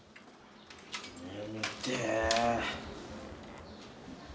眠てえ。